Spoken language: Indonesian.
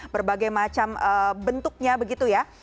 berbagai macam bentuknya begitu ya